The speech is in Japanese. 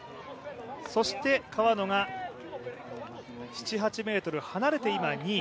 そして川野が７８ｍ離れて今、２位。